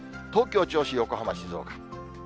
東京、銚子、横浜、静岡。